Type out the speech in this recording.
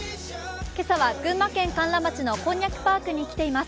今朝は群馬県甘楽町のこんにゃくパークに来ています。